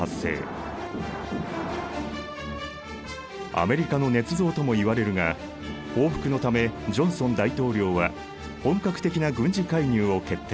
アメリカのねつ造ともいわれるが報復のためジョンソン大統領は本格的な軍事介入を決定。